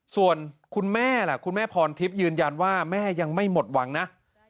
ส่วนคุณแม่ล่ะคุณแม่พรทิพย์ยืนยันว่าแม่ยังไม่หมดหวังนะ